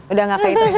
udah nggak kehitung